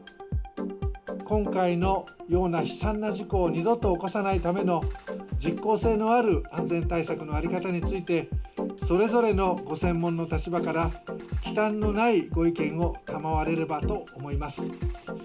今回のような悲惨な事故を二度と起こさないための、実効性のある安全対策の在り方について、それぞれのご専門の立場から、きたんのないご意見を賜れればと思います。